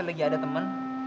nanti lagi ada temen